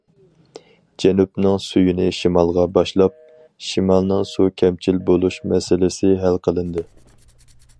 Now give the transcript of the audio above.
جەنۇبنىڭ سۈيىنى شىمالغا باشلاپ، شىمالنىڭ سۇ كەمچىل بولۇش مەسىلىسى ھەل قىلىندى.